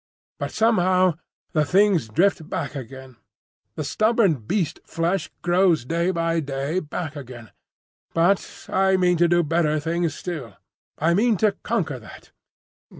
But somehow the things drift back again: the stubborn beast flesh grows day by day back again. But I mean to do better things still. I mean to conquer that.